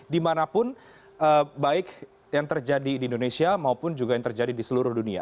dimanapun baik yang terjadi di indonesia maupun juga yang terjadi di seluruh dunia